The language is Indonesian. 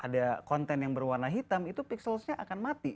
ada konten yang berwarna hitam itu pixelsnya akan mati